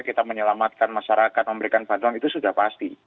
kita menyelamatkan masyarakat memberikan bantuan itu sudah pasti